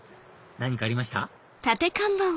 何かありました？